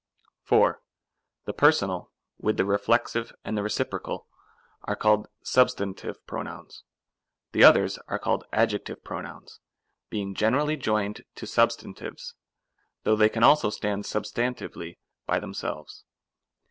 4. The personal, with the reflexive and reciprocal, are called Substantive pronouns ; the others are called Adjective pronouns, being generally joined to substan tives, though they can also stand substantively by themselves.